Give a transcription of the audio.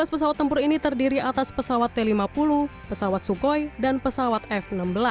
dua belas pesawat tempur ini terdiri atas pesawat t lima puluh pesawat sukhoi dan pesawat f enam belas